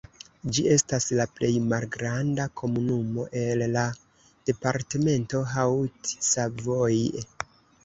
Ĝi estas la plej malgranda komunumo el la departemento Haute-Savoie.